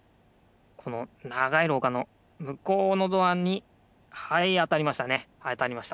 このながいろうかのむこうのドアにはいあたりましたねあたりました。